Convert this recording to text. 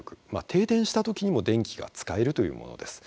停電した時にも電気が使えるというものです。